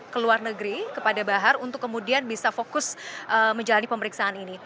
ke luar negeri kepada bahar untuk kemudian bisa fokus menjalani pemeriksaan ini